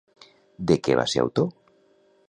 De què va ser autor?